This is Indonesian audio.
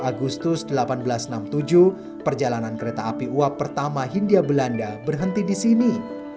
dua puluh agustus seribu delapan ratus enam puluh tujuh perjalanan kereta api uap pertama hindia belanda berhenti di sini